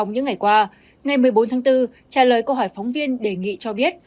ngày một mươi bốn tháng bốn trả lời câu hỏi phóng viên đề nghị cho biết